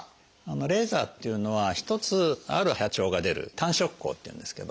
レーザーっていうのは一つある波長が出る単色光っていうんですけど。